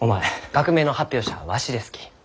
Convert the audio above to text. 学名の発表者はわしですき。